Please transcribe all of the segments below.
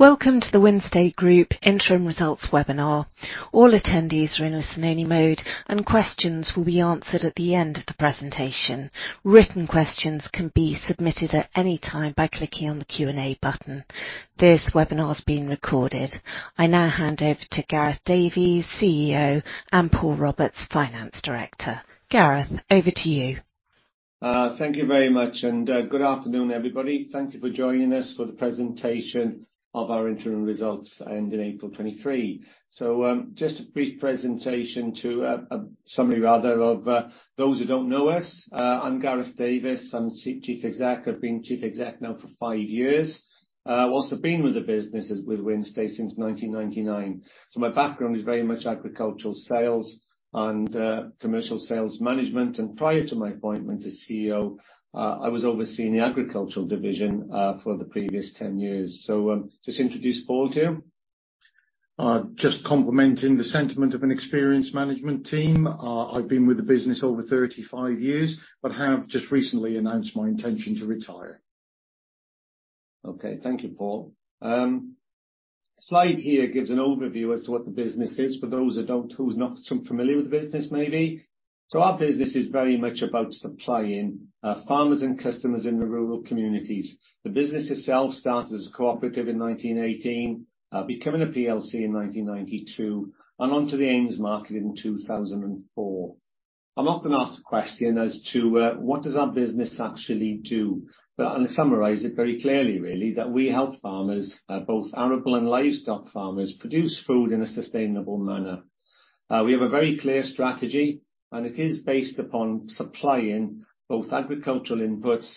Welcome to the Wynnstay Group interim results webinar. All attendees are in listen-only mode, and questions will be answered at the end of the presentation. Written questions can be submitted at any time by clicking on the Q&A button. This webinar is being recorded. I now hand over to Gareth Davies, CEO, and Paul Roberts, Finance Director. Gareth, over to you. Thank you very much, good afternoon, everybody. Thank you for joining us for the presentation of our interim results ending 23 April 2023. Just a brief presentation to summary rather, of those who don't know us, I'm Gareth Davies, I'm Chief Exec. I've been Chief Exec now for five years. Whilst I've been with the business, with Wynnstay since 1999. My background is very much agricultural sales and commercial sales management, and prior to my appointment as CEO, I was overseeing the agricultural division for the previous 10 years. Just introduce Paul to you. Just complementing the sentiment of an experienced management team, I've been with the business over 35 years, have just recently announced my intention to retire. Thank you, Paul. The slide here gives an overview as to what the business is for those who's not so familiar with the business, maybe. Our business is very much about supplying farmers and customers in the rural communities. The business itself started as a cooperative in 1918, becoming a PLC in 1992, and onto the AIM market in 2004. I'm often asked a question as to what does our business actually do? I summarize it very clearly, really, that we help farmers, both arable and livestock farmers, produce food in a sustainable manner. We have a very clear strategy. It is based upon supplying both agricultural inputs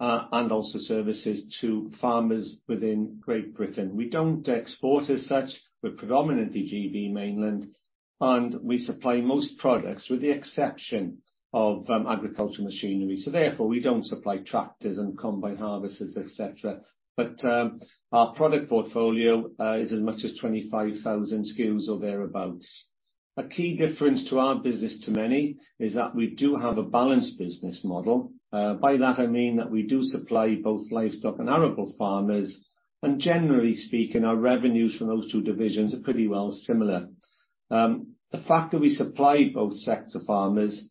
and also services to farmers within Great Britain. We don't export as such. We're predominantly GB mainland, and we supply most products, with the exception of agricultural machinery. Therefore, we don't supply tractors and combine harvesters, et cetera. Our product portfolio is as much as 25,000 SKUs or thereabouts. A key difference to our business, to many, is that we do have a balanced business model. By that I mean that we do supply both livestock and arable farmers, and generally speaking, our revenues from those two divisions are pretty well similar. The fact that we supply both sectors of farmers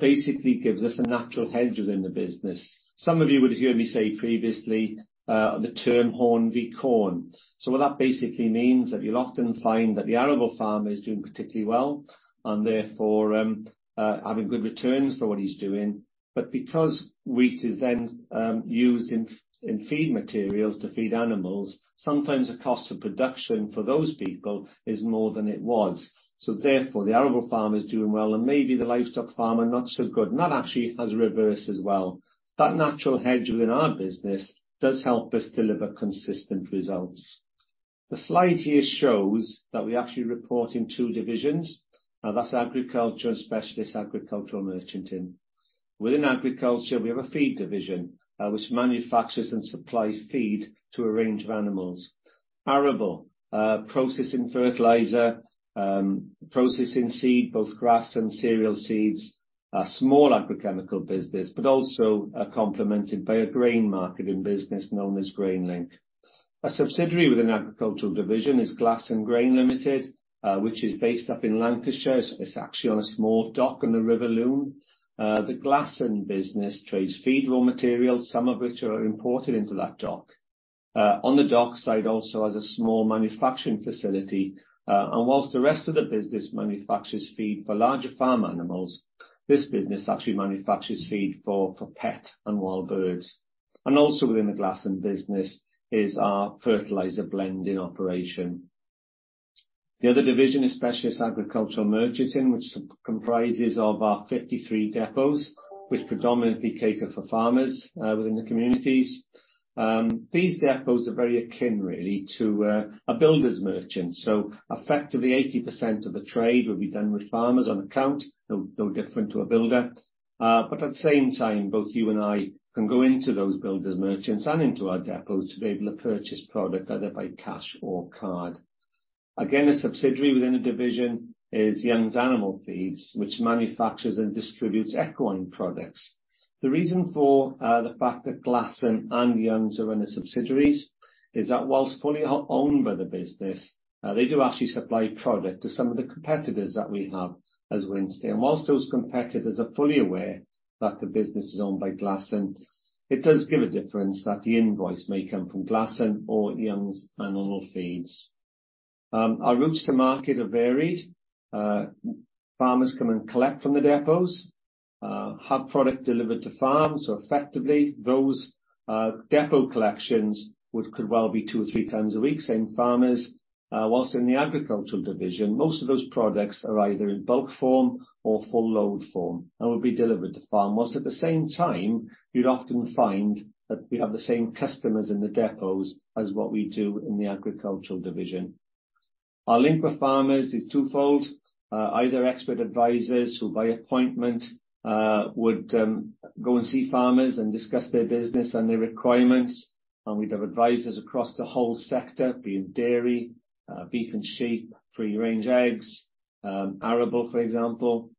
basically gives us a natural hedge within the business. Some of you would have heard me say previously, the term horn v corn. What that basically means, that you'll often find that the arable farmer is doing particularly well and therefore, having good returns for what he's doing. Because wheat is then used in feed materials to feed animals, sometimes the cost of production for those people is more than it was. Therefore, the arable farmer is doing well, and maybe the livestock farmer, not so good. That actually has reversed as well. That natural hedge within our business does help us deliver consistent results. The slide here shows that we actually report in two divisions, and that's agriculture and specialist agricultural merchanting. Within agriculture, we have a feed division, which manufactures and supplies feed to a range of animals. Arable, processing fertilizer, processing seed, both grass and cereal seeds, a small agrichemical business, but also complemented by a grain marketing business known as GrainLink. A subsidiary within the agricultural division is Glasson Grain Limited, which is based up in Lancashire, so it's actually on a small dock on the River Lune. The Glasson business trades feed raw materials, some of which are imported into that dock. On the dock side, also has a small manufacturing facility, and whilst the rest of the business manufactures feed for larger farm animals, this business actually manufactures feed for pet and wild birds. Also within the Glasson business is our fertilizer blending operation. The other division is specialist agricultural merchanting, which comprises of our 53 depots, which predominantly cater for farmers within the communities. These depots are very akin, really, to a builder's merchant. Effectively, 80% of the trade will be done with farmers on account, no different to a builder. At the same time, both you and I can go into those builders merchants and into our depots to be able to purchase product either by cash or card. Again, a subsidiary within the division is Youngs Animal Feeds, which manufactures and distributes equine products. The reason for the fact that Glasson and Youngs are in the subsidiaries is that whilst fully owned by the business, they do actually supply product to some of the competitors that we have as Wynnstay. Whilst those competitors are fully aware that the business is owned by Glasson, it does give a difference that the invoice may come from Glasson or Youngs Animal Feeds. Our routes to market are varied. Farmers come and collect from the depots, have product delivered to farm. Effectively, those depot collections could well be two or three- times a week. Same farmers, whilst in the agricultural division, most of those products are either in bulk form or full load form and will be delivered to farmers. At the same time, you'd often find that we have the same customers in the depots as what we do in the agricultural division. Our link with farmers is two-fold. Either expert advisors, who, by appointment, would go and see farmers and discuss their business and their requirements. We'd have advisors across the whole sector, be it dairy, beef and sheep, free-range eggs, arable, for example,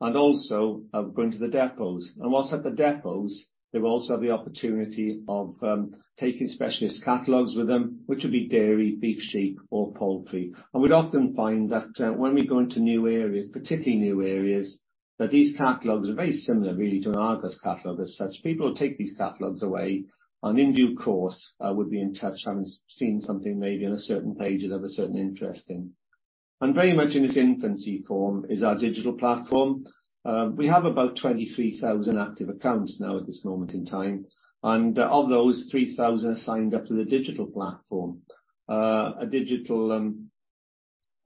and also going to the depots. Whilst at the depots, they will also have the opportunity of taking specialist catalogs with them, which would be dairy, beef, sheep, or poultry. We'd often find that, when we go into new areas, particularly new areas, that these catalogs are very similar really, to an Argos catalog as such. People will take these catalogs away, and in due course, would be in touch, having seen something maybe on a certain page that have a certain interest in. Very much in its infancy form, is our digital platform. We have about 23,000 active accounts now at this moment in time, and of those, 3,000 are signed up to the digital platform. A digital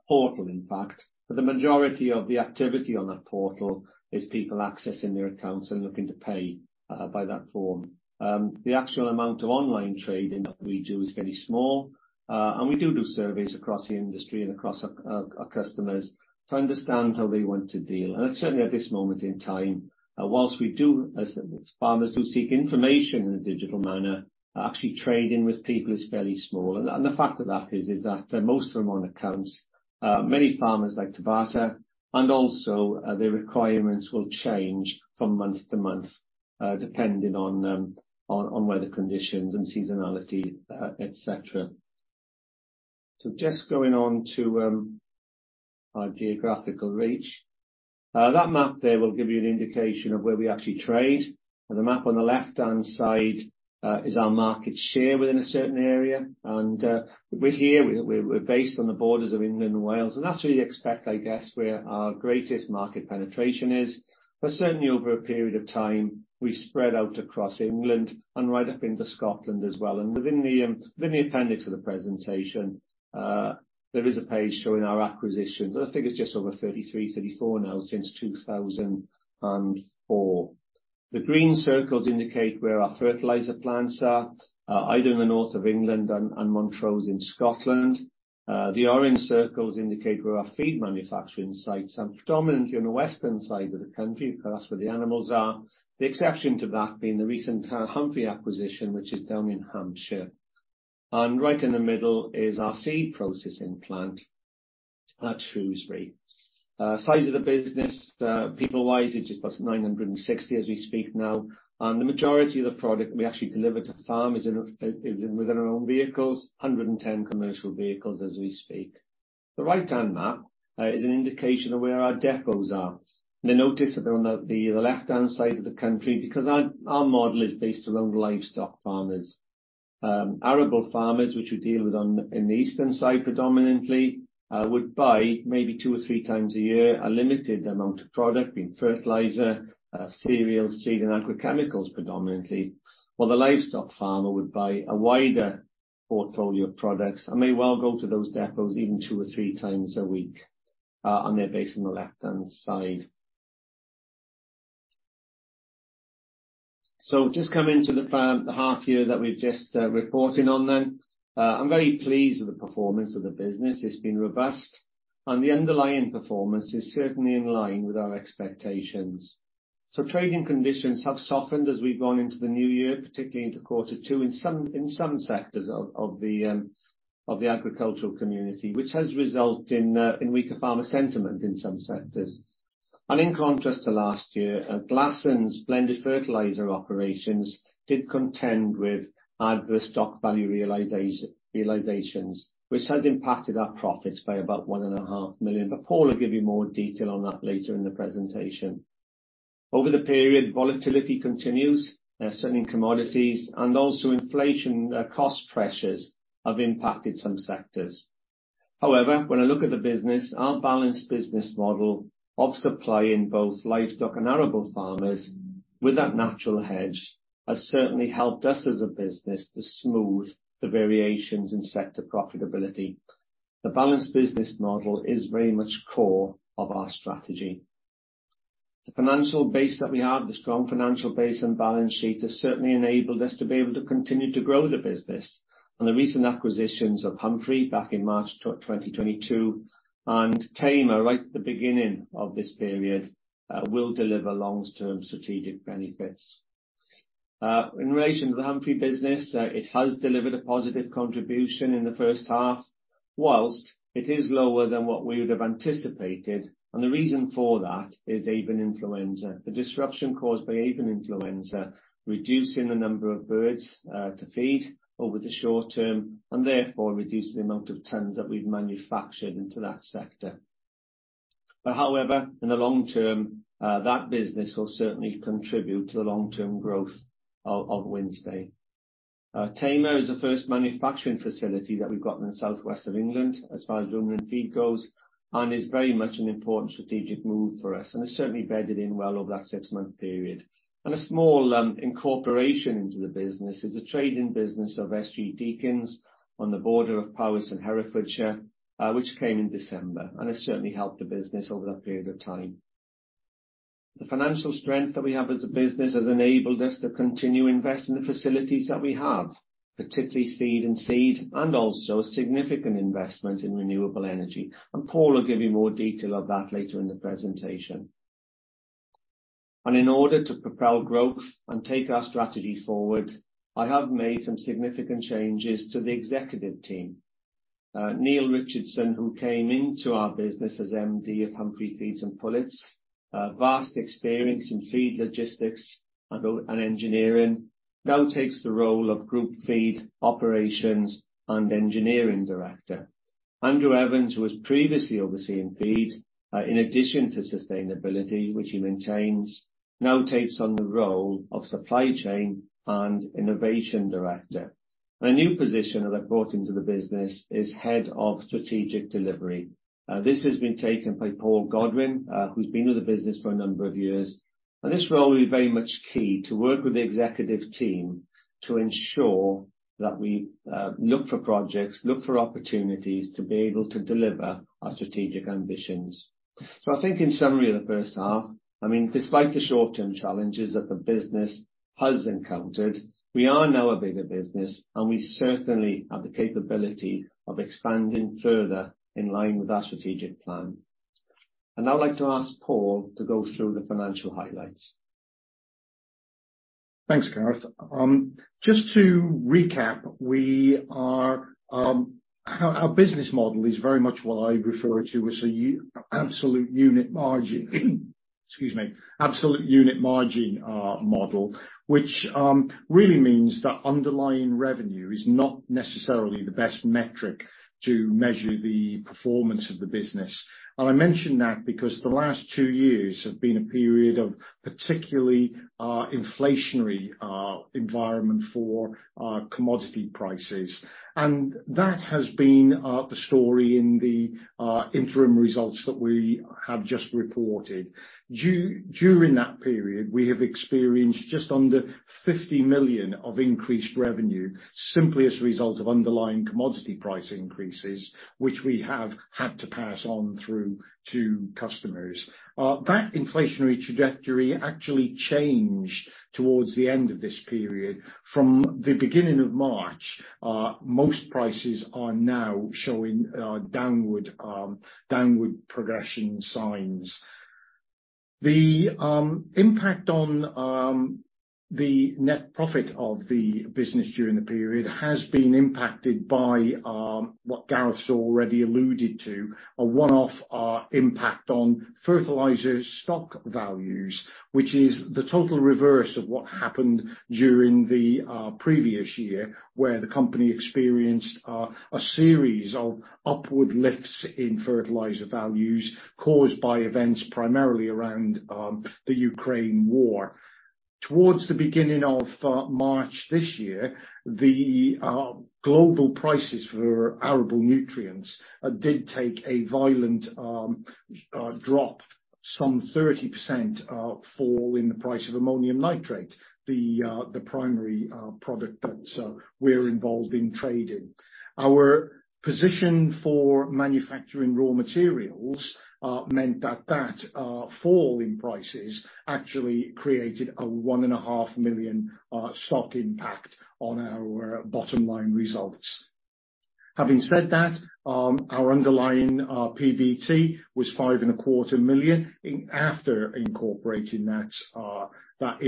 portal, in fact, but the majority of the activity on that portal is people accessing their accounts and looking to pay by that form. The actual amount of online trading that we do is very small, and we do surveys across the industry and across our customers to understand how they want to deal. Certainly at this moment in time, whilst we do as farmers do seek information in a digital manner, actually trading with people is fairly small, and the fact of that is that most of them are on accounts. Many farmers like to barter, and also, their requirements will change from month to month, depending on weather conditions and seasonality, et cetera. Just going on to our geographical reach. That map there will give you an indication of where we actually trade, the map on the left-hand side, is our market share within a certain area. We're here, we're based on the borders of England and Wales, and that's where you expect, I guess, where our greatest market penetration is, but certainly over a period of time, we spread out across England and right up into Scotland as well, and within the, within the appendix of the presentation, there is a page showing our acquisitions. I think it's just over 33, 34 now, since 2004. The green circles indicate where our fertilizer plants are, either in the north of England and Montrose in Scotland. The orange circles indicate where our feed manufacturing sites are, predominantly on the western side of the country, because that's where the animals are. The exception to that being the recent Humphrey acquisition, which is down in Hampshire. Right in the middle is our seed processing plant at Shrewsbury. Size of the business, people-wise, it's just about 960 as we speak now. The majority of the product we actually deliver to farm is in within our own vehicles, 110 commercial vehicles as we speak. The right-hand map is an indication of where our depots are. You notice that on the left-hand side of the country, because our model is based around livestock farmers. Arable farmers, which we deal with in the eastern side, predominantly, would buy maybe two or three times a year, a limited amount of product, being fertilizer, cereal, seed, and agrochemicals, predominantly. While the livestock farmer would buy a wider portfolio of products and may well go to those depots even two or three times a week, and they're based on the left-hand side. Just coming to the first half-year that we've just reporting on. I'm very pleased with the performance of the business. It's been robust, and the underlying performance is certainly in line with our expectations. Trading conditions have softened as we've gone into the new year, particularly into Q2, in some sectors of the agricultural community, which has resulted in weaker farmer sentiment in some sectors. In contrast to last year, Glasson's blended fertilizer operations did contend with adverse stock value realizations, which has impacted our profits by about 1,500,000 but Paul will give you more detail on that later in the presentation. Over the period, volatility continues, certainly in commodities and also inflation, cost pressures have impacted some sectors. When I look at the business, our balanced business model of supplying both livestock and arable farmers with that natural hedge, has certainly helped us as a business to smooth the variations in sector profitability. The balanced business model is very much core of our strategy. The financial base that we have, the strong financial base and balance sheet, has certainly enabled us to be able to continue to grow the business. The recent acquisitions of Humphrey back in March 2022, and Tamar, right at the beginning of this period, will deliver long-term strategic benefits. In relation to the Humphrey business, it has delivered a positive contribution in the first half, whilst it is lower than what we would have anticipated, and the reason for that is avian influenza. The disruption caused by avian influenza, reducing the number of birds to feed over the short term, and therefore reducing the amount of tons that we've manufactured into that sector. However, in the long term, that business will certainly contribute to the long-term growth of Wynnstay. Tamar is the first manufacturing facility that we've got in the southwest of England, as far as ruminant feed goes, and is very much an important strategic move for us, and it's certainly bedded in well over that six-month period. A small incorporation into the business is a trading business of SG Deakins on the border of Powys and Herefordshire, which came in December, and it's certainly helped the business over that period of time. The financial strength that we have as a business has enabled us to continue to invest in the facilities that we have, particularly feed and seed, and also significant investment in renewable energy. Paul will give you more detail on that later in the presentation. In order to propel growth and take our strategy forward, I have made some significant changes to the executive team. Neil Richardson, who came into our business as MD of Humphrey Feeds and Pullets, vast experience in feed logistics and engineering, now takes the role of Group Feed Operations and Engineering Director. Andrew Evans, who was previously overseeing feed, in addition to sustainability, which he maintains, now takes on the role of Supply Chain and Innovation Director. A new position that I've brought into the business is Head of Strategic Delivery. This has been taken by Paul Godwin, who's been with the business for a number of years, and this role will be very much key to work with the Executive team to ensure that we look for projects, look for opportunities to be able to deliver our strategic ambitions. I think in summary of the first half, I mean, despite the short-term challenges that the business has encountered, we are now a bigger business, and we certainly have the capability of expanding further in line with our strategic plan. I'd now like to ask Paul to go through the financial highlights. Thanks, Gareth. Just to recap, we are our business model is very much what I refer to as absolute unit margin, excuse me, absolute unit margin model, which really means that underlying revenue is not necessarily the best metric to measure the performance of the business. I mention that because the last two years have been a period of particularly inflationary environment for commodity prices, and that has been the story in the interim results that we have just reported. During that period, we have experienced just under 50 million of increased revenue, simply as a result of underlying commodity price increases, which we have had to pass on through to customers. That inflationary trajectory actually changed towards the end of this period. From the beginning of March, most prices are now showing downward downward progression signs. The impact on the net profit of the business during the period has been impacted by what Gareth's already alluded to, a one-off impact on fertilizer stock values, which is the total reverse of what happened during the previous year, where the company experienced a series of upward lifts in fertilizer values caused by events primarily around the Ukraine war. Towards the beginning of March this year, the global prices for arable nutrients did take a violent drop, some 30% fall in the price of ammonium nitrate, the primary product that we're involved in trading. Our position for manufacturing raw materials, meant that that fall in prices actually created a one and a half million stock impact on our bottom line results. Having said that, our underlying PBT was 5,250,000 million, in, after incorporating that impact. That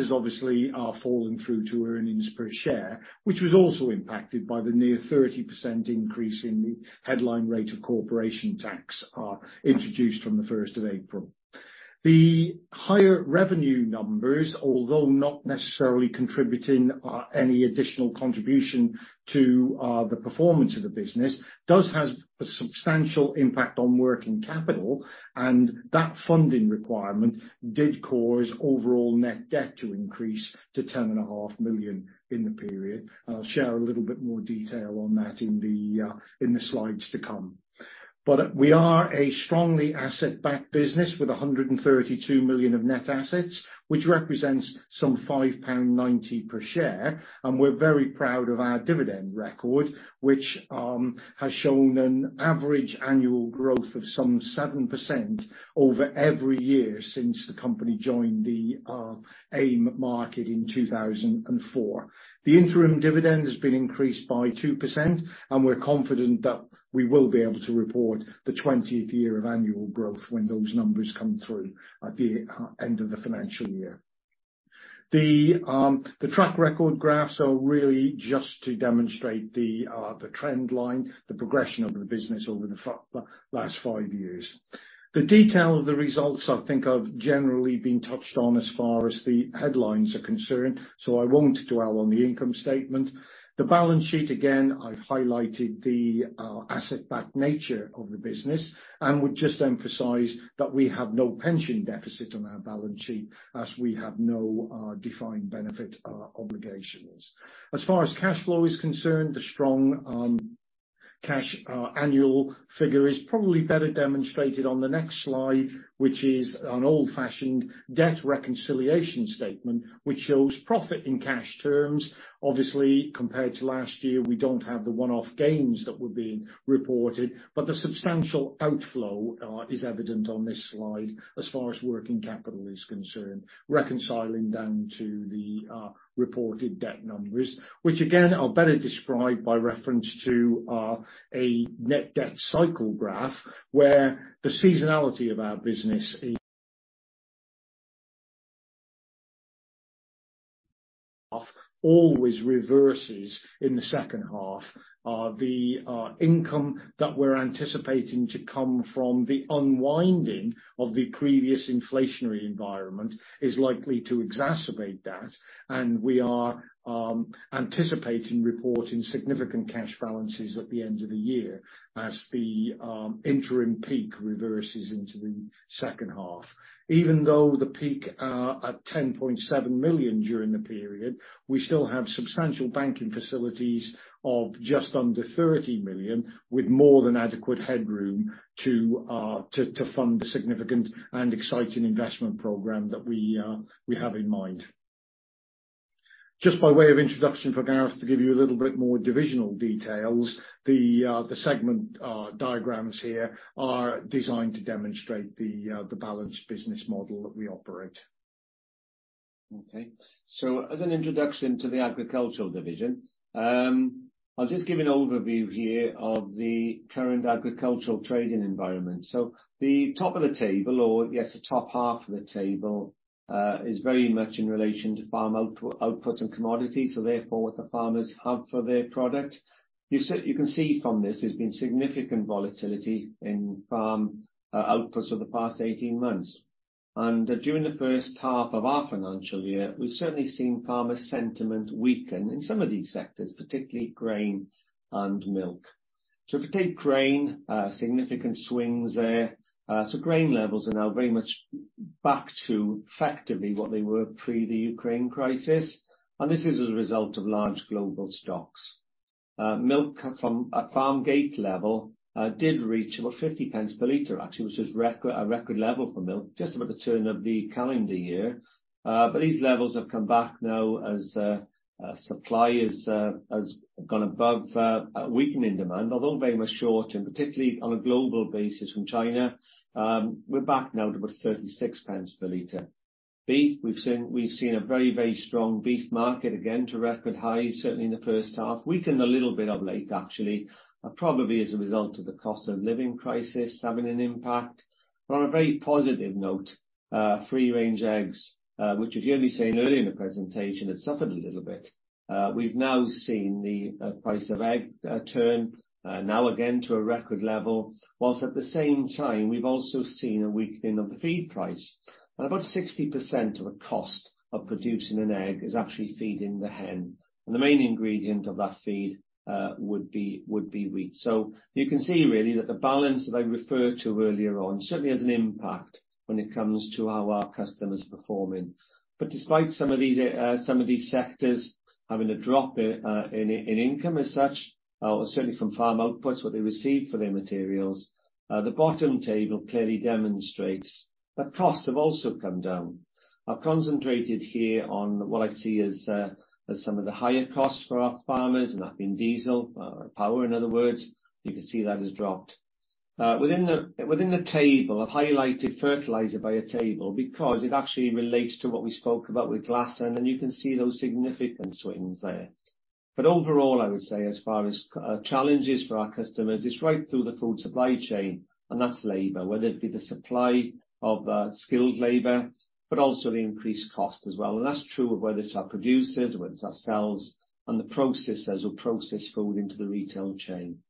is obviously falling through to earnings per share, which was also impacted by the near 30% increase in the headline rate of corporation tax, introduced from the 1 April 2023. The higher revenue numbers, although not necessarily contributing any additional contribution to the performance of the business, does have a substantial impact on working capital. That funding requirement did cause overall net debt to increase to ten and a half million in the period. I'll share a little bit more detail on that in the slides to come. We are a strongly asset-backed business with 132 million of net assets, which represents some 5.90 pound per share, and we're very proud of our dividend record, which has shown an average annual growth of some 7% over every year since the company joined the AIM market in 2004. The interim dividend has been increased by 2%, and we're confident that we will be able to report the 20th year of annual growth when those numbers come through at the end of the financial year. The track record graphs are really just to demonstrate the trend line, the progression of the business over the last five years. The detail of the results, I think, have generally been touched on as far as the headlines are concerned, so I won't dwell on the income statement. The balance sheet, again, I've highlighted the asset-backed nature of the business and would just emphasize that we have no pension deficit on our balance sheet, as we have no defined benefit obligations. As far as cash flow is concerned, the strong cash annual figure is probably better demonstrated on the next slide, which is an old-fashioned debt reconciliation statement, which shows profit in cash terms. Obviously, compared to last year, we don't have the one-off gains that were being reported. The substantial outflow is evident on this slide as far as working capital is concerned, reconciling down to the reported debt numbers, which again, are better described by reference to a net debt cycle graph, where the seasonality of our business always reverses in the second half. The income that we're anticipating to come from the unwinding of the previous inflationary environment is likely to exacerbate that. We are anticipating reporting significant cash balances at the end of the year as the interim peak reverses into the second half. Even though the peak, at 10.7 million during the period, we still have substantial banking facilities of just under 30 million, with more than adequate headroom to fund the significant and exciting investment program that we have in mind. Just by way of introduction for Gareth to give you a little bit more divisional details, the segment diagrams here are designed to demonstrate the balanced business model that we operate. Okay. As an introduction to the agricultural division, I'll just give an overview here of the current agricultural trading environment. The top of the table, or yes, the top half of the table, is very much in relation to farm output and commodities, so therefore, what the farmers have for their product. You can see from this, there's been significant volatility in farm outputs over the past 18 months, and during the first half of our financial year, we've certainly seen farmer sentiment weaken in some of these sectors, particularly grain and milk. If you take grain, significant swings there. Grain levels are now very much back to effectively what they were pre the U.K.raine crisis, and this is as a result of large global stocks. Milk from, at farm gate level, did reach about 0.50 per liter, actually, which is a record level for milk, just about the turn of the calendar year. These levels have come back now as supply has gone above weakening demand, although very much short, and particularly on a global basis from China, we're back now to about 0.36 per liter. Beef, we've seen a very, very strong beef market, again, to record highs, certainly in the first half. Weakened a little bit of late, actually, probably as a result of the cost of living crisis having an impact. On a very positive note, free range eggs, which you heard me say earlier in the presentation, had suffered a little bit. We've now seen the price of egg turn now again to a record level, while at the same time we've also seen a weakening of the feed price. About 60% of the cost of producing an egg is actually feeding the hen, and the main ingredient of that feed would be wheat. You can see really that the balance that I referred to earlier on certainly has an impact when it comes to how our customers are performing. Despite some of these, some of these sectors having a drop in income as such, certainly from farm outputs, what they receive for their materials, the bottom table clearly demonstrates that costs have also come down. I've concentrated here on what I see as some of the higher costs for our farmers, and that being diesel, power in other words. You can see that has dropped. Within the table, I've highlighted fertilizer by a table because it actually relates to what we spoke about with Glasson, and you can see those significant swings there. Overall, I would say, as far as challenges for our customers, it's right through the food supply chain, and that's labor, whether it be the supply of skilled labor, but also the increased cost as well, and that's true whether it's our producers, whether it's ourselves, and the processors who process food into the retail chain.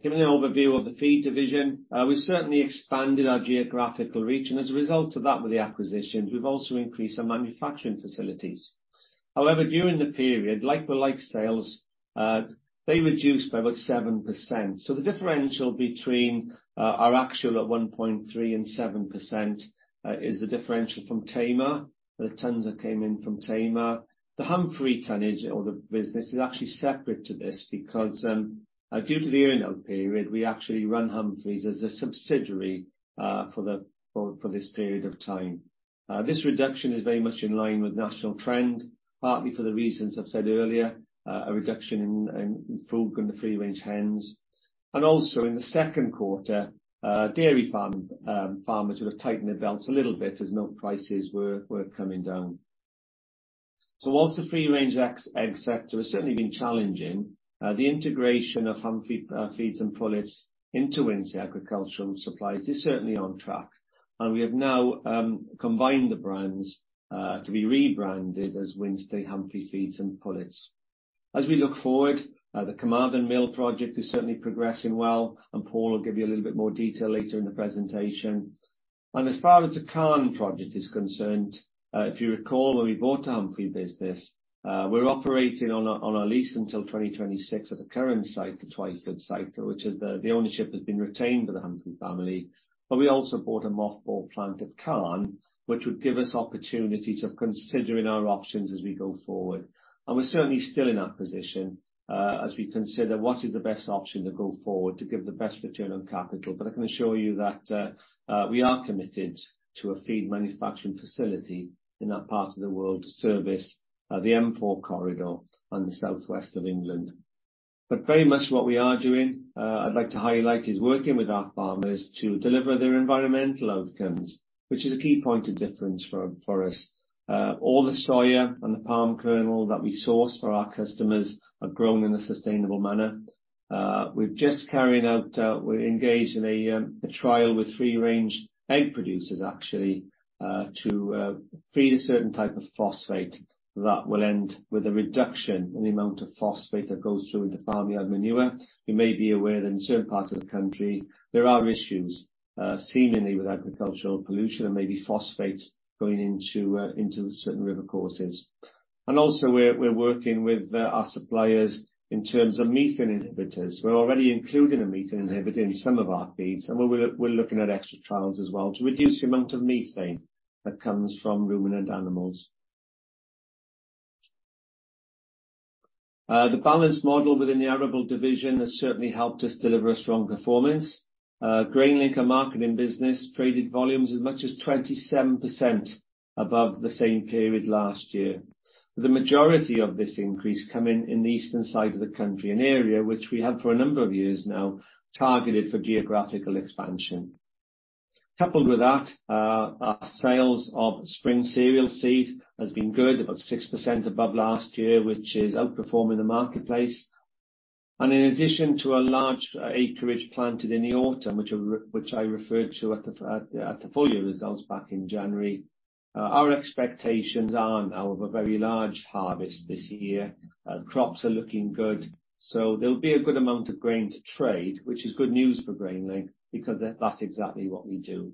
Giving an overview of the feed division, we've certainly expanded our geographical reach, and as a result of that, with the acquisitions, we've also increased our manufacturing facilities. However, during the period, like-for-like sales, they reduced by about 7%. The differential between our actual at 1.3% and 7% is the differential from Tamar, the tons that came in from Tamar. The Humphrey tonnage or the business is actually separate to this because, due to the year end period, we actually run Humphrey as a subsidiary for this period of time. This reduction is very much in line with national trend, partly for the reasons I've said earlier, a reduction in folk and the free range hens, and also in the Q2, dairy farm, farmers would have tightened their belts a little bit as milk prices were coming down. Whilst the free range egg sector has certainly been challenging, the integration of Humphrey Feeds & Pullets into Wynnstay Agricultural Supplies is certainly on track, and we have now combined the brands to be rebranded as Wynnstay Humphrey Feeds and Pullets. As we look forward, the Carmarthen Mill project is certainly progressing well, and Paul will give you a little bit more detail later in the presentation. As far as the Carn project is concerned, if you recall, when we bought the Humphrey business, we were operating on a lease until 2026 at the current site, the Twyford site, which is the ownership has been retained by the Humphrey family. We also bought a mothball plant at Carn, which would give us opportunities of considering our options as we go forward. We're certainly still in that position, as we consider what is the best option to go forward to give the best return on capital. I can assure you that we are committed to a feed manufacturing facility in that part of the world to service the M4 corridor and the west of England. Very much what we are doing, I'd like to highlight, is working with our farmers to deliver their environmental outcomes, which is a key point of difference for us. All the soy and the palm kernel that we source for our customers are grown in a sustainable manner. We've just carrying out, we're engaged in a trial with free-range egg producers actually, to feed a certain type of phosphate that will end with a reduction in the amount of phosphate that goes through into farmyard manure. You may be aware that in certain parts of the country, there are issues, seemingly with agricultural pollution and maybe phosphates going into certain river courses. Also we're working with our suppliers in terms of methane inhibitors. We're already including a methane inhibitor in some of our feeds, and we're looking at extra trials as well to reduce the amount of methane that comes from ruminant animals. The balanced model within the arable division has certainly helped us deliver a strong performance. GrainLink, our marketing business, traded volumes as much as 27% above the same period last year. The majority of this increase coming in the eastern side of the country, an area which we have for a number of years now, targeted for geographical expansion. Coupled with that, our sales of spring cereal seed has been good, about 6% above last year, which is outperforming the marketplace. In addition to a large acreage planted in the autumn, which I referred to at the full year results back in January, our expectations are now of a very large harvest this year. Crops are looking good, there'll be a good amount of grain to trade, which is good news for GrainLink, because that's exactly what we do.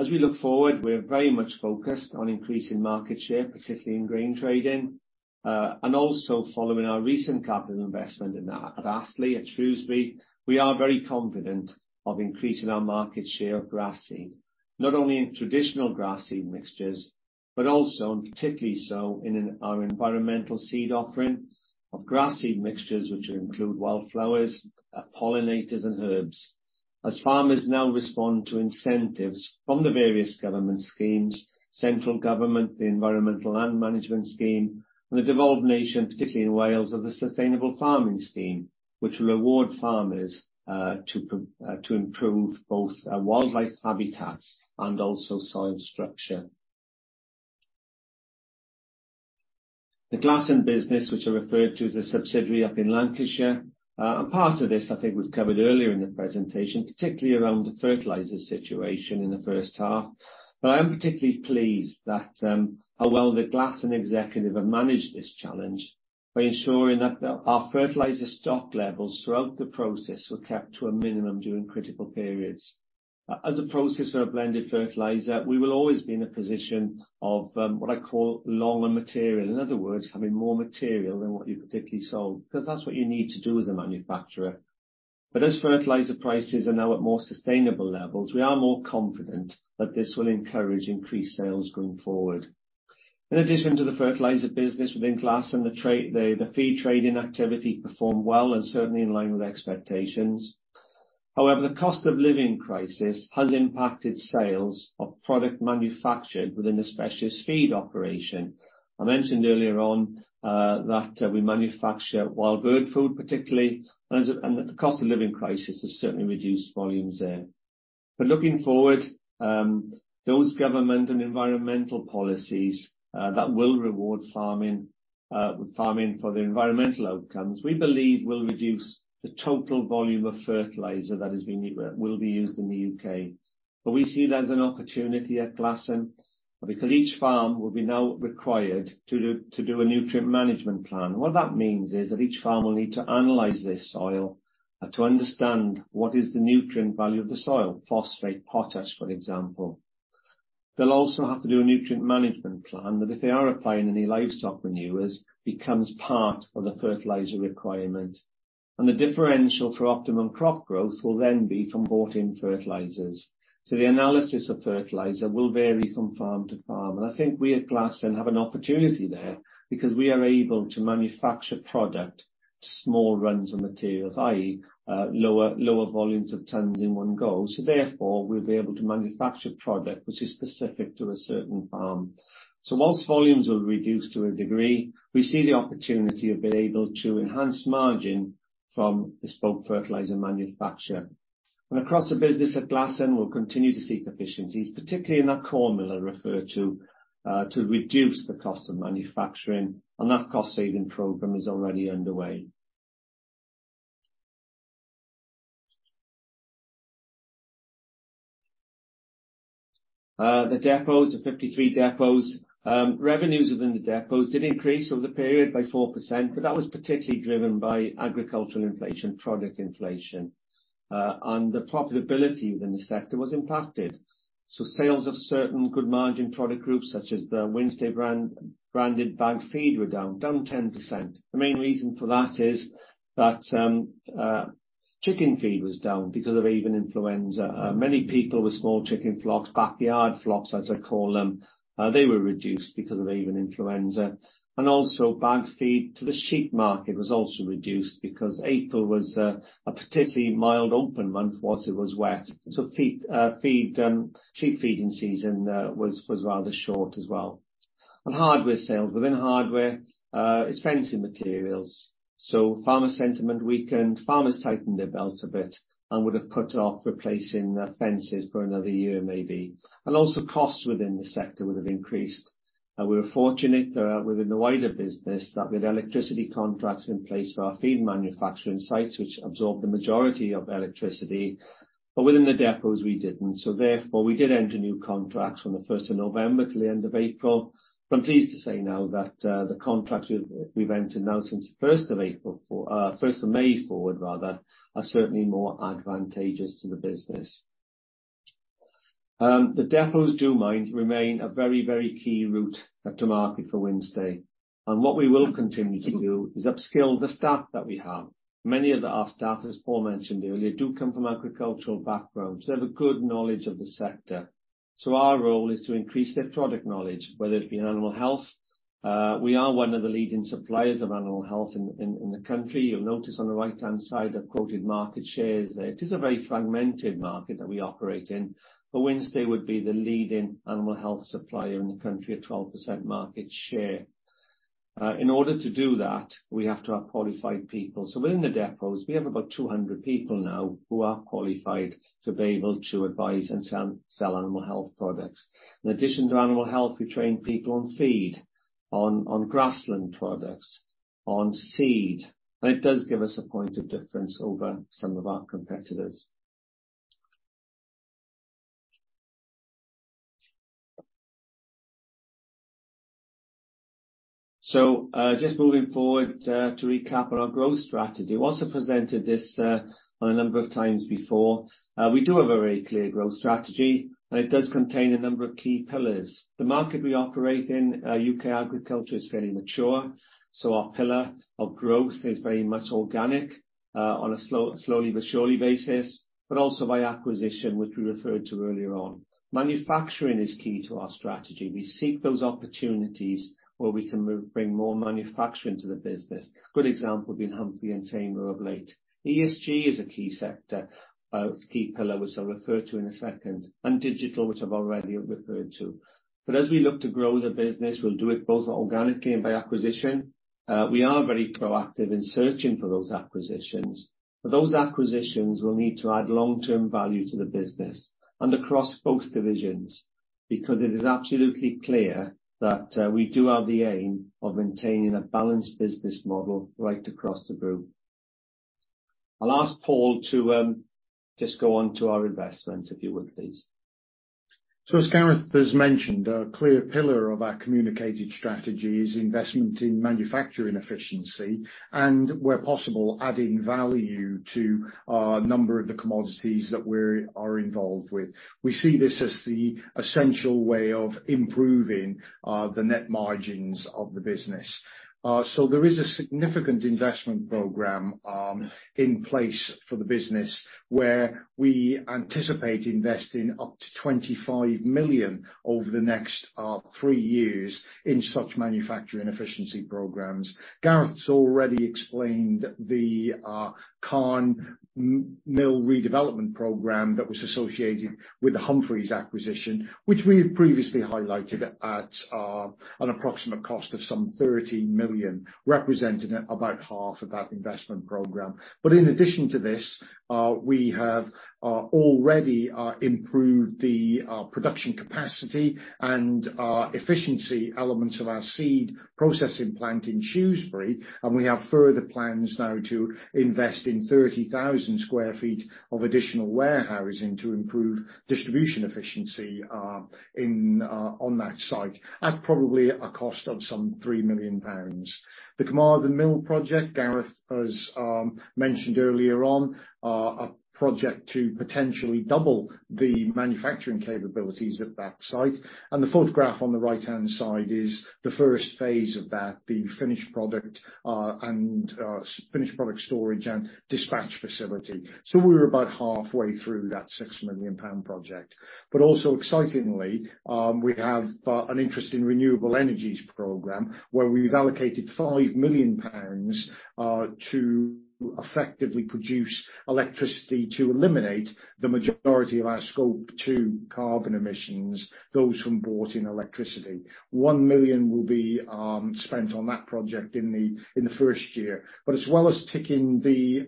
As we look forward, we're very much focused on increasing market share, particularly in grain trading. Also following our recent capital investment in Astley at Shrewsbury, we are very confident of increasing our market share of grass seed, not only in traditional grass seed mixtures, but also, and particularly so, in our environmental seed offering of grass seed mixtures, which include wildflowers, pollinators, and herbs. As farmers now respond to incentives from the various government schemes, central government, the Environmental Land Management Scheme, and the devolved nation, particularly in Wales, of the Sustainable Farming Scheme, which will reward farmers to improve both wildlife habitats and also soil structure. The Glasson business, which I referred to as a subsidiary up in Lancashire, and part of this, I think, we've covered earlier in the presentation, particularly around the fertilizer situation in the first half. I am particularly pleased that how well the Glasson executive have managed this challenge by ensuring that our fertilizer stock levels throughout the process were kept to a minimum during critical periods. As a processor of blended fertilizer, we will always be in a position of, what I call long on material, in other words, having more material than what you particularly sold, because that's what you need to do as a manufacturer. As fertilizer prices are now at more sustainable levels, we are more confident that this will encourage increased sales going forward. In addition to the fertilizer business within Glasson, the feed trading activity performed well and certainly in line with expectations. However, the cost of living crisis has impacted sales of product manufactured within the specialist feed operation. I mentioned earlier on, that, we manufacture wild bird food, particularly, and the cost of living crisis has certainly reduced volumes there. Looking forward, those government and environmental policies, that will reward farming for their environmental outcomes, we believe will reduce the total volume of fertilizer that will be used in the U.K. We see that as an opportunity at Glasson, because each farm will be now required to do a nutrient management plan. What that means is that each farm will need to analyze their soil, to understand what is the nutrient value of the soil, phosphate, potash, for example. They'll also have to do a nutrient management plan, that if they are applying any livestock manures, becomes part of the fertilizer requirement. The differential for optimum crop growth will then be from bought-in fertilizers. The analysis of fertilizer will vary from farm to farm, and I think we at Glasson have an opportunity there, because we are able to manufacture product, small runs of materials, i.e., lower volumes of tons in one go, so therefore, we'll be able to manufacture product which is specific to a certain farm. Whilst volumes will reduce to a degree, we see the opportunity of being able to enhance margin from bespoke fertilizer manufacture. Across the business at Glasson, we'll continue to seek efficiencies, particularly in that corn miller I referred to reduce the cost of manufacturing, and that cost-saving program is already underway. The depots, the 53 depots. Revenues within the depots did increase over the period by 4%, but that was particularly driven by agricultural inflation, product inflation, and the profitability within the sector was impacted. Sales of certain good margin product groups, such as the Wednesday branded bagged feed, were down 10%. The main reason for that is that chicken feed was down because of avian influenza. Many people with small chicken flocks, backyard flocks, as I call them, they were reduced because of avian influenza. Also bagged feed to the sheep market was also reduced because April was a particularly mild, open month, whilst it was wet. Feed sheep feeding season was rather short as well. On hardware sales, within hardware, it's fencing materials, so farmer sentiment weakened, farmers tightened their belt a bit and would have put off replacing the fences for another year, maybe. Also, costs within the sector would have increased. We were fortunate within the wider business that we had electricity contracts in place for our feed manufacturing sites, which absorbed the majority of electricity, within the depots, we didn't. Therefore, we did enter new contracts from the 1 November 2023 to the end of April. I'm pleased to say now that the contracts we've entered now since the 1 April 2023, for 1 May 2023 forward, rather, are certainly more advantageous to the business. The depots do remain a very, very key route to market for Wynnstay, and what we will continue to do is upskill the staff that we have. Many of our staff, as Paul mentioned earlier, do come from agricultural backgrounds. They have a good knowledge of the sector, our role is to increase their product knowledge, whether it be in animal health. We are one of the leading suppliers of animal health in the country. You'll notice on the right-hand side, the quoted market shares there. It is a very fragmented market that we operate in. Wednesday would be the leading animal health supplier in the country, at 12% market share. In order to do that, we have to have qualified people. Within the depots, we have about 200 people now, who are qualified to be able to advise and sell animal health products. In addition to animal health, we train people on feed, on grassland products, on seed, and it does give us a point of difference over some of our competitors. Just moving forward to recap on our growth strategy. We also presented this on a number of times before. We do have a very clear growth strategy. It does contain a number of key pillars. The market we operate in, U.K. agriculture, is fairly mature. Our pillar of growth is very much organic, on a slow, slowly but surely basis, also by acquisition, which we referred to earlier on. Manufacturing is key to our strategy. We seek those opportunities where we can bring more manufacturing to the business. Good example being Humphrey and Tamar of late. ESG is a key sector, key pillar, which I'll refer to in a second. Digital, which I've already referred to. As we look to grow the business, we'll do it both organically and by acquisition. We are very proactive in searching for those acquisitions, but those acquisitions will need to add long-term value to the business and across both divisions, because it is absolutely clear that we do have the aim of maintaining a balanced business model right across the Group. I'll ask Paul to just go on to our investment, if you would, please. As Gareth has mentioned, a clear pillar of our communicated strategy is investment in manufacturing efficiency, and where possible, adding value to a number of the commodities that we're involved with. We see this as the essential way of improving the net margins of the business. There is a significant investment program in place for the business, where we anticipate investing up to 25 million over the next three years in such manufacturing efficiency programs. Gareth's already explained the Carn mill redevelopment program that was associated with the Humphrey acquisition, which we had previously highlighted at an approximate cost of some 13 million, representing about half of that investment program. In addition to this, we have already improved the production capacity and efficiency elements of our seed processing plant in Shrewsbury, and we have further plans now to invest in 30,000 sq ft of additional warehousing to improve distribution efficiency on that site, at probably a cost of some 3 million pounds. The Carmarthen mill project, Gareth has mentioned earlier on, a project to potentially double the manufacturing capabilities at that site, and the photograph on the right-hand side is the first phase of that, the finished product, and finished product storage and dispatch facility. We're about halfway through that 6 million pound project. Also excitingly, we have an interest in renewable energies program, where we've allocated 5 million pounds to effectively produce electricity to eliminate the majority of our Scope 2 carbon emissions, those from bought in electricity. 1 million will be spent on that project in the first year. As well as ticking the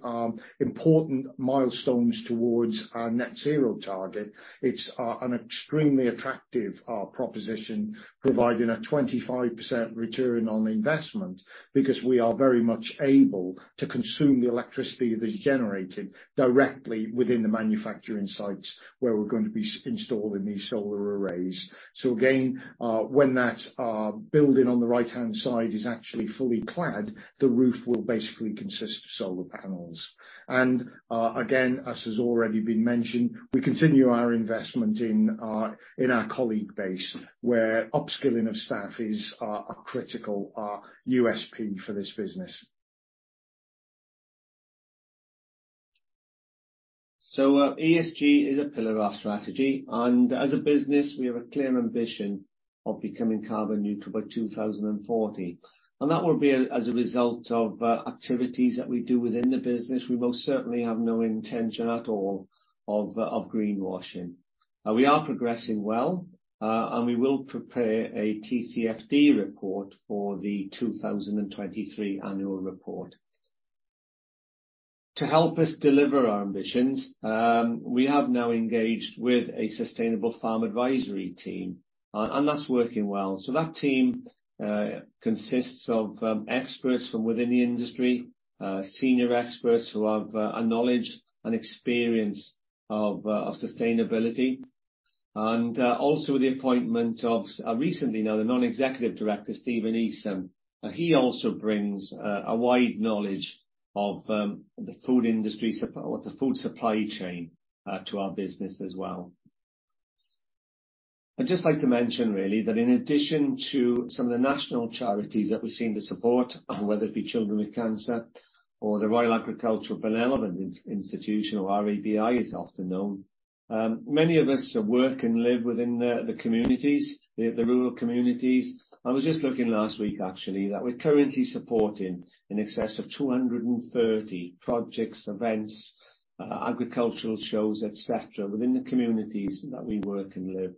important milestones towards our net zero target, it's an extremely attractive proposition, providing a 25% return on investment, because we are very much able to consume the electricity that is generated directly within the manufacturing sites, where we're going to be installing these solar arrays. Again, when that building on the right-hand side is actually fully clad, the roof will basically consist of solar panels. Again, as has already been mentioned, we continue our investment in our colleague base, where upskilling of staff is a critical USP for this business. ESG is a pillar of our strategy, and as a business, we have a clear ambition of becoming carbon neutral by 2040. That will be as a result of activities that we do within the business. We most certainly have no intention at all of greenwashing. We are progressing well, and we will prepare a TCFD report for the 2023 annual report. To help us deliver our ambitions, we have now engaged with a sustainable farm advisory team, and that's working well. That team consists of experts from within the industry, senior experts who have a knowledge and experience of sustainability, and also the appointment of recently now, the non-executive director, Steven Esom. He also brings a wide knowledge of the food industry supply or the food supply chain to our business as well. I'd just like to mention really that in addition to some of the national charities that we seem to support, whether it be Children with Cancer U.K. or the Royal Agricultural Benevolent Institution, or RABI, is often known. Many of us work and live within the communities, the rural communities. I was just looking last week, actually, that we're currently supporting in excess of 230 projects, events, agricultural shows, et cetera, within the communities that we work and live.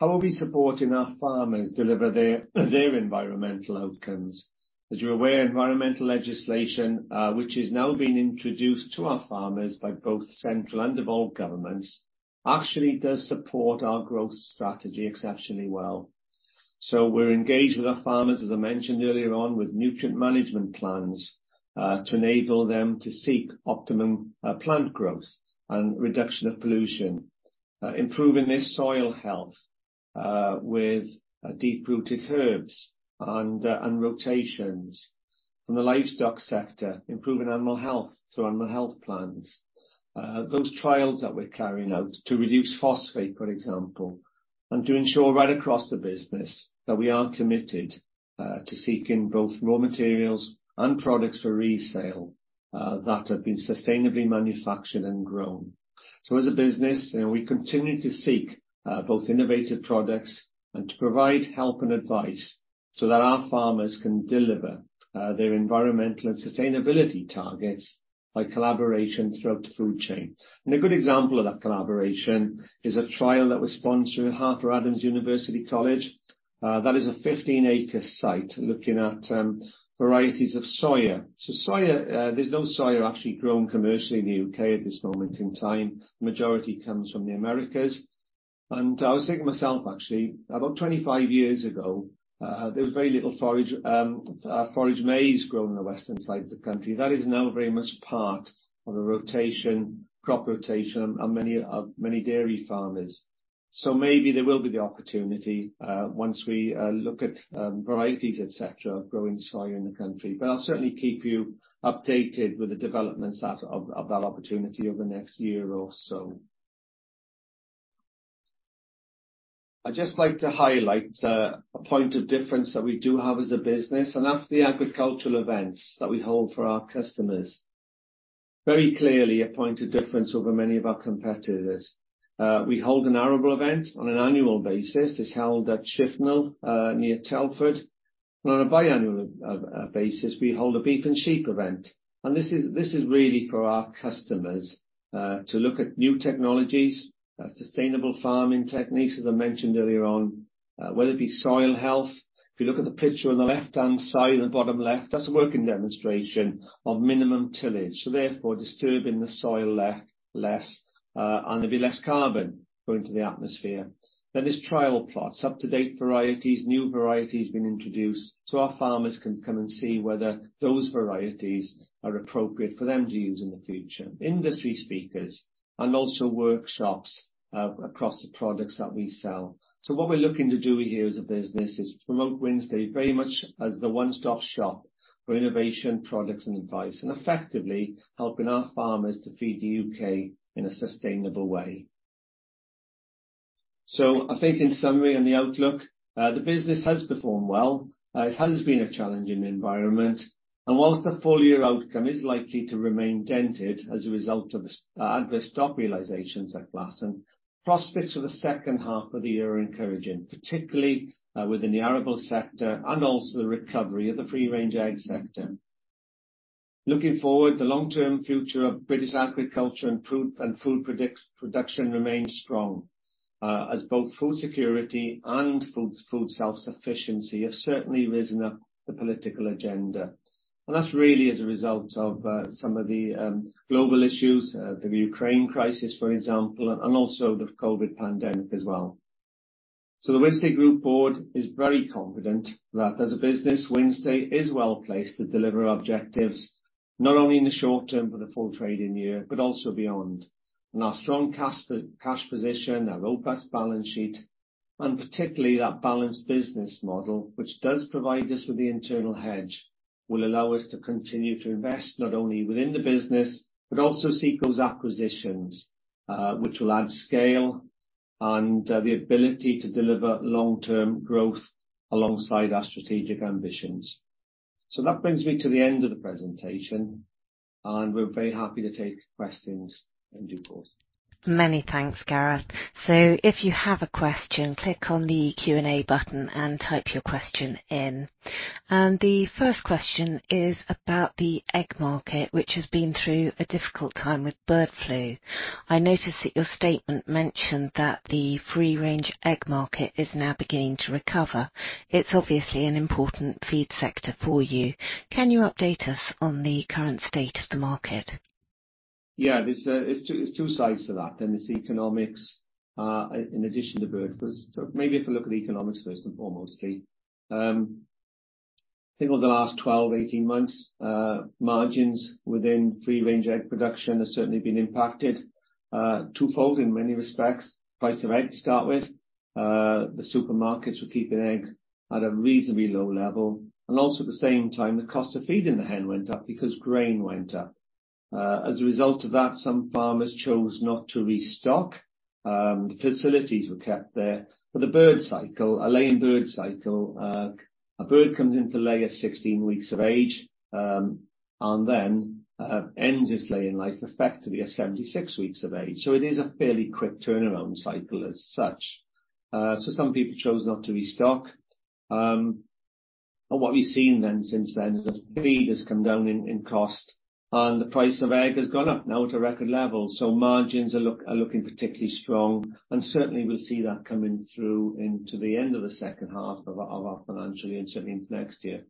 How are we supporting our farmers deliver their environmental outcomes? As you're aware, environmental legislation, which is now being introduced to our farmers by both central and devolved governments, actually does support our growth strategy exceptionally well. We're engaged with our farmers, as I mentioned earlier on, with nutrient management plans, to enable them to seek optimum plant growth and reduction of pollution, improving their soil health with deep-rooted herbs and rotations. From the livestock sector, improving animal health through animal health plans. Those trials that we're carrying out to reduce phosphate, for example, and to ensure right across the business that we are committed to seeking both raw materials and products for resale that have been sustainably manufactured and grown. As a business, we continue to seek both innovative products and to provide help and advice so that our farmers can deliver their environmental and sustainability targets by collaboration throughout the food chain. A good example of that collaboration is a trial that was sponsored at Harper Adams University College. That is a 15-acre site looking at varieties of soy. Soy, there's no soy actually grown commercially in the U.K. at this moment in time. The majority comes from the Americas. I was thinking myself, actually, about 25 years ago, there was very little forage maize grown in the western side of the country. That is now very much part of the rotation, crop rotation of many dairy farmers. Maybe there will be the opportunity, once we look at varieties, et cetera, of growing soy in the country. I'll certainly keep you updated with the developments of that opportunity over the next year or so. I'd just like to highlight a point of difference that we do have as a business, that's the agricultural events that we hold for our customers. Very clearly, a point of difference over many of our competitors. We hold an arable event on an annual basis. It's held at Shifnal, near Telford, on a biannual basis, we hold a beef and sheep event. This is really for our customers to look at new technologies, sustainable farming techniques, as I mentioned earlier on, whether it be soil health. If you look at the picture on the left-hand side, in the bottom left, that's a working demonstration of minimum tillage, so therefore, disturbing the soil less, and there'll be less carbon going to the atmosphere. There's trial plots, up-to-date varieties, new varieties being introduced, so our farmers can come and see whether those varieties are appropriate for them to use in the future. Industry speakers and also workshops across the products that we sell. What we're looking to do here as a business is promote Wynnstay very much as the one-stop shop for innovation, products, and advice, and effectively helping our farmers to feed the U.K. in a sustainable way. I think in summary, on the outlook, the business has performed well. It has been a challenging environment, and whilst the full year outcome is likely to remain dented as a result of the adverse stock realisations at Glasson, prospects for H2 are encouraging, particularly within the arable sector and also the recovery of the free-range egg sector. Looking forward, the long-term future of British agriculture and food, and food production remains strong, as both food security and food self-sufficiency have certainly risen up the political agenda. That's really as a result of some of the global issues, the Ukraine crisis, for example, and also the COVID pandemic as well. The Wynnstay Group board is very confident that, as a business, Wynnstay is well-placed to deliver objectives, not only in the short term, but the full trading year, but also beyond. Our strong cash position, our robust balance sheet, and particularly that balanced business model, which does provide us with the internal hedge, will allow us to continue to invest not only within the business, but also seek those acquisitions, which will add scale and the ability to deliver long-term growth alongside our strategic ambitions. That brings me to the end of the presentation, and we're very happy to take questions in due course. Many thanks, Gareth. If you have a question, click on the Q&A button and type your question in. The first question is about the egg market, which has been through a difficult time with bird flu. I noticed that your statement mentioned that the free-range egg market is now beginning to recover. It's obviously an important feed sector for you. Can you update us on the current state of the market? Yeah, there's 2 sides to that, then there's the economics, in addition to bird. Maybe if I look at the economics first and foremostly. I think over the last 12, 18 months, margins within free-range egg production has certainly been impacted, twofold in many respects. Price of egg, to start with, the supermarkets were keeping egg at a reasonably low level, and also at the same time, the cost of feeding the hen went up because grain went up. As a result of that, some farmers chose not to restock. The facilities were kept there. The bird cycle, a laying bird cycle, a bird comes into lay at 16 weeks of age, and then ends its laying life effectively at 76 weeks of age. It is a fairly quick turnaround cycle as such. Some people chose not to restock. What we've seen then, since then, is that feed has come down in cost, and the price of egg has gone up, now at a record level. Margins are looking particularly strong, and certainly we'll see that coming through into the end of the second half of our financial year, which means next year.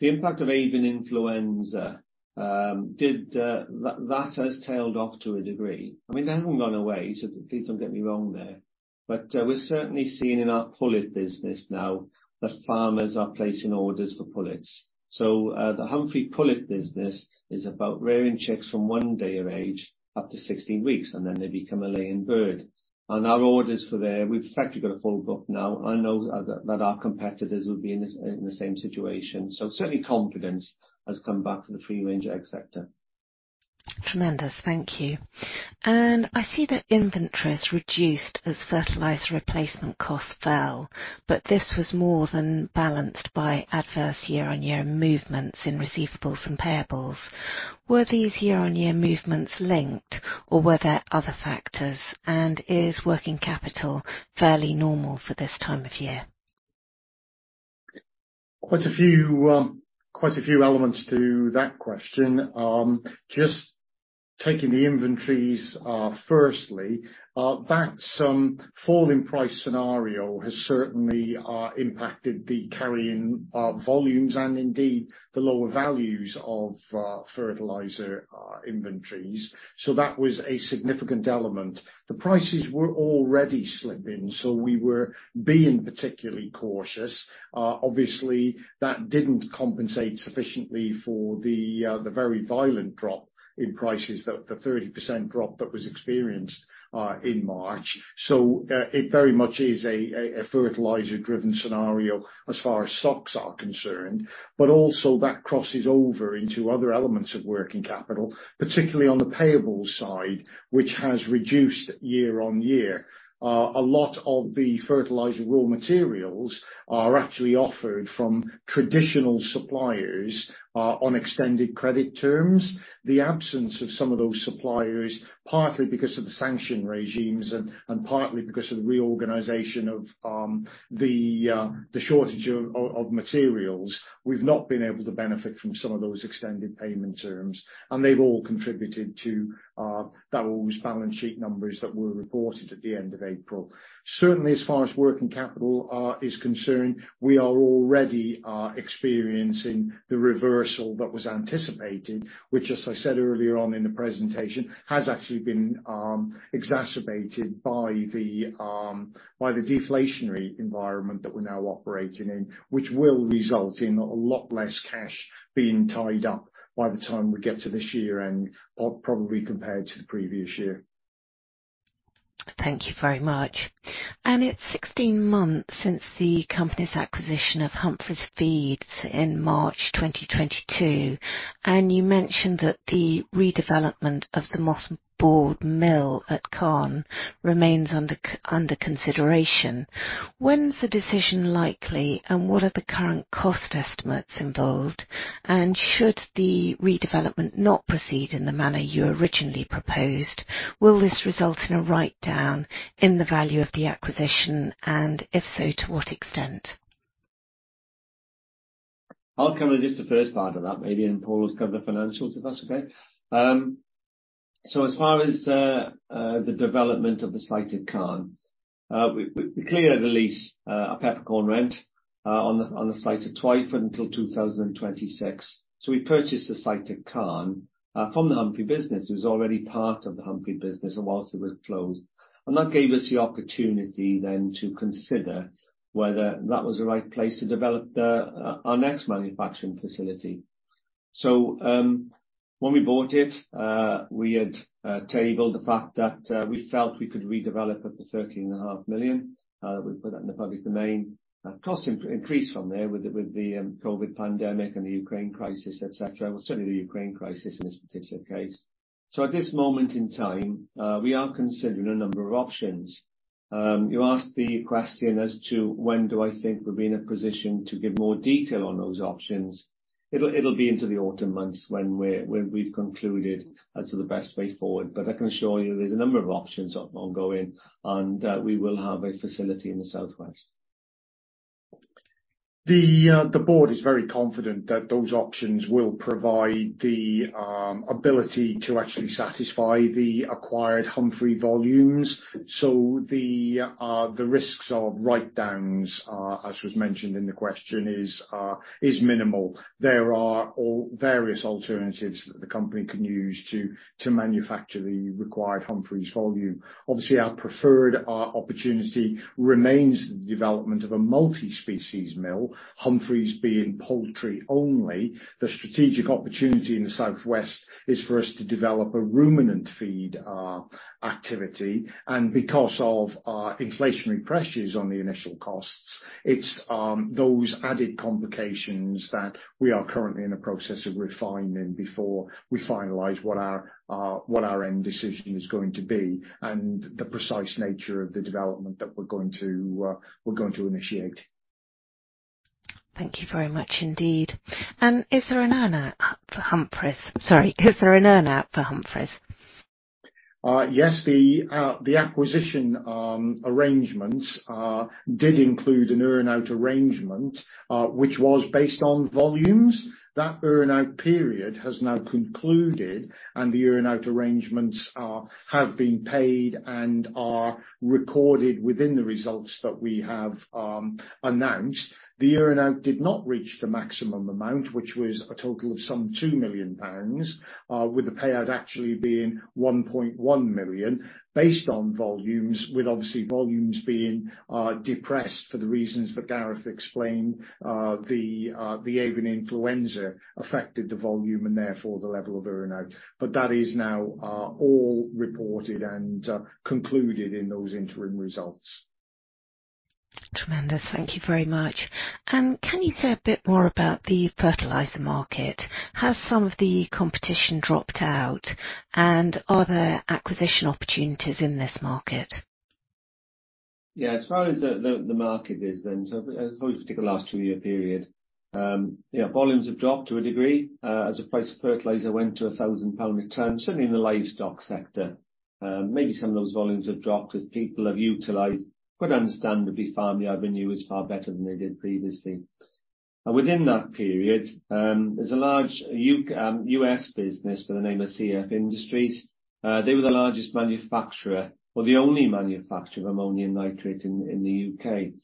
The impact of avian influenza did. That has tailed off to a degree. I mean, they haven't gone away, so please don't get me wrong there, but we're certainly seeing in our pullet business now, that farmers are placing orders for pullets. The Humphrey pullet business is about rearing chicks from one day of age up to 16 weeks, and then they become a laying bird. Our orders for there, we've effectively got a full book now. I know that our competitors will be in the same situation, certainly confidence has come back to the free-range egg sector. Tremendous. Thank you. I see that inventories reduced as fertilizer replacement costs fell, but this was more than balanced by adverse year-on-year movements in receivables and payables. Were these year-on-year movements linked, or were there other factors? Is working capital fairly normal for this time of year? Quite a few, quite a few elements to that question. Just taking the inventories, firstly, that fall in price scenario has certainly impacted the carrying volumes and indeed, the lower values of fertilizer inventories. That was a significant element. The prices were already slipping, we were being particularly cautious. Obviously, that didn't compensate sufficiently for the very violent drop in prices, the 30% drop that was experienced in March. It very much is a fertilizer-driven scenario as far as stocks are concerned, but also that crosses over into other elements of working capital, particularly on the payable side, which has reduced year-on-year. A lot of the fertilizer raw materials are actually offered from traditional suppliers on extended credit terms. The absence of some of those suppliers, partly because of the sanction regimes and partly because of the reorganization of the shortage of materials, we've not been able to benefit from some of those extended payment terms. They've all contributed to those balance sheet numbers that were reported at the end of April. Certainly, as far as working capital is concerned, we are already experiencing the reversal that was anticipated, which, as I said earlier on in the presentation, has actually been exacerbated by the deflationary environment that we're now operating in, which will result in a lot less cash being tied up by the time we get to this year and, or probably compared to the previous year. Thank you very much. It's 16 months since the company's acquisition of Humphrey Feeds in March 2022, you mentioned that the redevelopment of the Moss Boar Mill at Carn remains under consideration. When is the decision likely, what are the current cost estimates involved? Should the redevelopment not proceed in the manner you originally proposed, will this result in a write-down in the value of the acquisition, and if so, to what extent? I'll cover just the first part of that, maybe, and Paul will cover the financials of us, okay. As far as the development of the site at Carn, we cleared the lease, a peppercorn rent, on the site at Twyford until 2026. We purchased the site at Carn from the Humphrey business. It was already part of the Humphrey business and whilst it was closed. That gave us the opportunity then to consider whether that was the right place to develop the our next manufacturing facility. When we bought it, we had tabled the fact that we felt we could redevelop it for 13.5 million. We put that in the public domain. costs increased from there with the COVID pandemic and the Ukraine crisis, et cetera. Certainly the Ukraine crisis in this particular case. At this moment in time, we are considering a number of options. You asked the question as to when do I think we'll be in a position to give more detail on those options? It'll be into the autumn months when we've concluded as to the best way forward. I can assure you, there's a number of options ongoing, and we will have a facility in the Southwest. The board is very confident that those options will provide the ability to actually satisfy the acquired Humphrey volumes. The risks of write-downs, as was mentioned in the question is minimal. There are various alternatives that the company can use to manufacture the required Humphrey volume. Obviously, our preferred opportunity remains the development of a multi-species mill, Humphrey being poultry only. The strategic opportunity in the Southwest is for us to develop a ruminant feed activity, and because of inflationary pressures on the initial costs, it's those added complications that we are currently in the process of refining before we finalize what our end decision is going to be, and the precise nature of the development that we're going to initiate. Thank you very much indeed. Is there an earn out for Humphrey? Sorry, is there an earn out for Humphrey? The acquisition arrangements did include an earn-out arrangement, which was based on volumes. That earn-out period has now concluded, and the earn-out arrangements have been paid and are recorded within the results that we have announced. The earn-out did not reach the maximum amount, which was a total of some 2 million pounds, with the payout actually being 1.1 million, based on volumes, with obviously volumes being depressed for the reasons that Gareth explained. The avian influenza affected the volume and therefore the level of earn-out, but that is now all reported and concluded in those interim results. Tremendous. Thank you very much. Can you say a bit more about the fertilizer market? Has some of the competition dropped out, and are there acquisition opportunities in this market? As far as the, the market is then, if we take the last two-year period, volumes have dropped to a degree as the price of fertilizer went to a 1,000 pound return, certainly in the livestock sector. Maybe some of those volumes have dropped as people have utilized, quite understandably, farm revenue is far better than they did previously. Within that period, there's a large U.S. business by the name of CF Industries. They were the largest manufacturer, or the only manufacturer of ammonium nitrate in the U.K.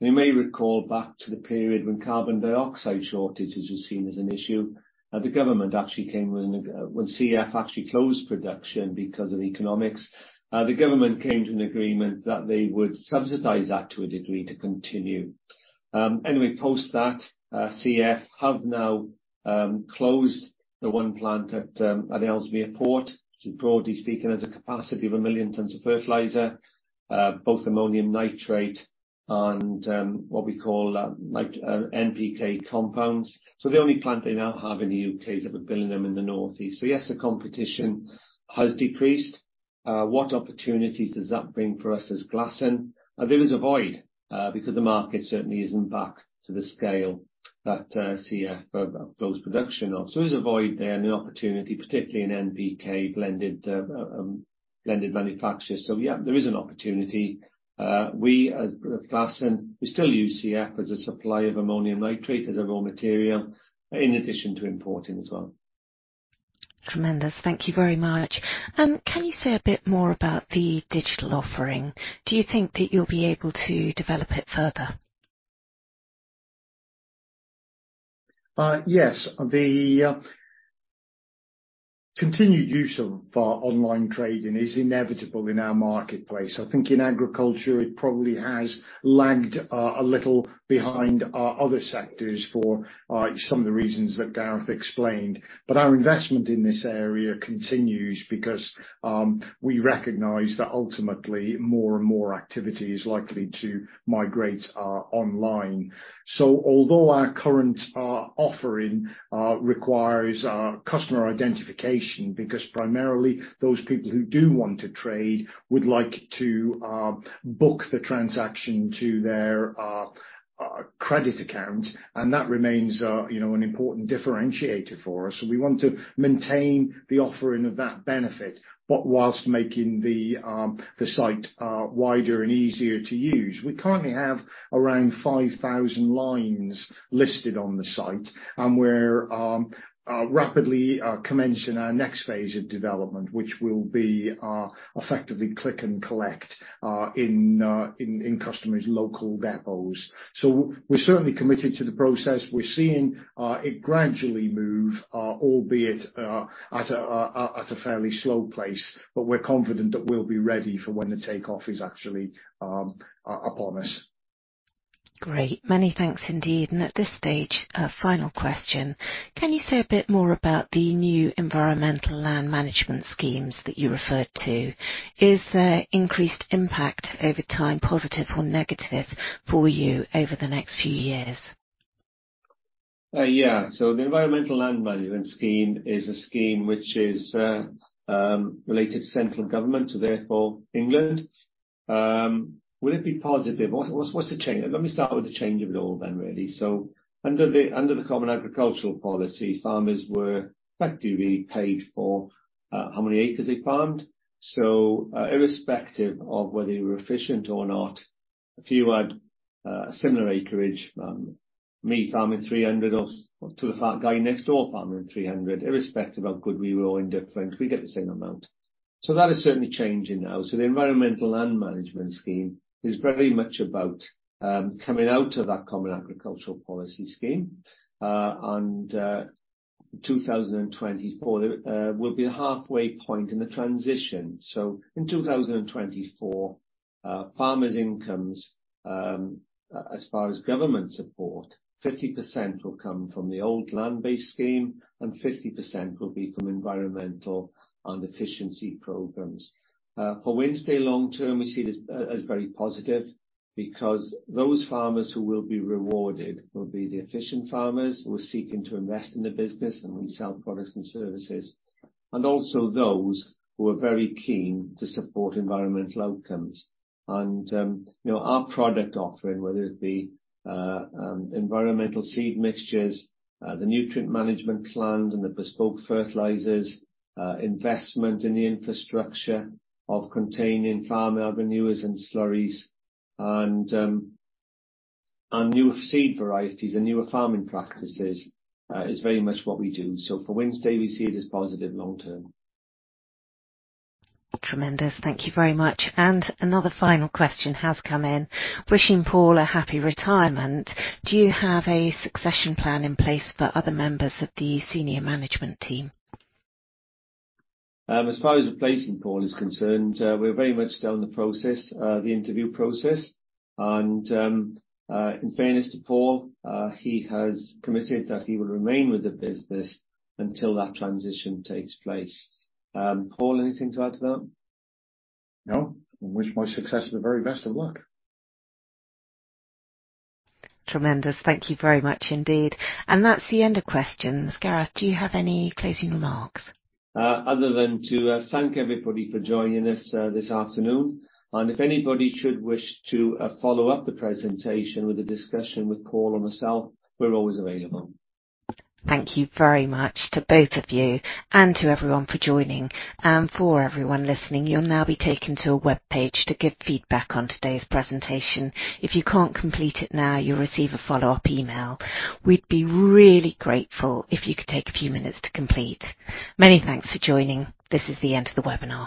You may recall back to the period when carbon dioxide shortages were seen as an issue. The government actually came when CF actually closed production because of economics, the government came to an agreement that they would subsidize that to a degree to continue. Anyway, post that, CF have now closed the one plant at Ellesmere Port, which is, broadly speaking, has a capacity of 1 million tons of fertilizer, both ammonium nitrate and what we call NPK compounds. The only plant they now have in the U.K. is up in Billingham, in the Northeast. Yes, the competition has decreased. What opportunities does that bring for us as Glasson? There is a void because the market certainly isn't back to the scale that CF closed production of. There's a void there and the opportunity, particularly in NPK blended manufacturers. Yeah, there is an opportunity. We, as Glasson, we still use CF as a supplier of ammonium nitrate, as a raw material, in addition to importing as well. Tremendous. Thank you very much. Can you say a bit more about the digital offering? Do you think that you'll be able to develop it further? Yes. The continued use of our online trading is inevitable in our marketplace. I think in agriculture, it probably has lagged a little behind other sectors for some of the reasons that Gareth explained. Our investment in this area continues because we recognize that ultimately, more and more activity is likely to migrate online. Although our current offering requires customer identification, because primarily those people who do want to trade would like to book the transaction to their credit account, and that remains, you know, an important differentiator for us. We want to maintain the offering of that benefit, but whilst making the site wider and easier to use. We currently have around 5,000 lines listed on the site. We're rapidly commencing our next phase of development, which will be effectively click and collect in customers' local depots. We're certainly committed to the process. We're seeing it gradually move, albeit at a fairly slow place, but we're confident that we'll be ready for when the takeoff is actually upon us. Great. Many thanks indeed. At this stage, a final question: Can you say a bit more about the new Environmental Land Management Schemes that you referred to? Is there increased impact over time, positive or negative, for you over the next few years? Yeah. The Environmental Land Management Scheme is a scheme which is related to central government, so therefore, England. Will it be positive? What's the change? Let me start with the change of it all then, really. Under the Common Agricultural Policy, farmers were effectively paid for how many acres they farmed. Irrespective of whether you were efficient or not, if you had similar acreage, me farming 300 or to the farm, guy next door farming 300, irrespective how good we were or indifferent, we get the same amount. That is certainly changing now. The Environmental Land Management Scheme is very much about coming out of that Common Agricultural Policy scheme. 2024, there will be a halfway point in the transition. In 2024, farmers' incomes, as far as government support, 50% will come from the old land-based scheme and 50% will be from environmental and efficiency programs. For Wednesday, long term, we see this as very positive because those farmers who will be rewarded will be the efficient farmers who are seeking to invest in the business, and we sell products and services, and also those who are very keen to support environmental outcomes. You know, our product offering, whether it be environmental seed mixtures, the nutrient management plans and the bespoke fertilizers, investment in the infrastructure of containing farm manures and slurries, and new seed varieties and newer farming practices, is very much what we do. For Wednesday, we see it as positive long term. Tremendous. Thank you very much. Another final question has come in: Wishing Paul a happy retirement, do you have a succession plan in place for other members of the senior management team? As far as replacing Paul is concerned, we're very much down the process, the interview process, and in fairness to Paul, he has committed that he will remain with the business until that transition takes place. Paul, anything to add to that? No. I wish my successor the very best of luck. Tremendous. Thank you very much indeed. That's the end of questions. Gareth, do you have any closing remarks? Other than to thank everybody for joining us this afternoon, and if anybody should wish to follow up the presentation with a discussion with Paul or myself, we're always available. Thank you very much to both of you and to everyone for joining. For everyone listening, you'll now be taken to a webpage to give feedback on today's presentation. If you can't complete it now, you'll receive a follow-up email. We'd be really grateful if you could take a few minutes to complete. Many thanks for joining. This is the end of the webinar.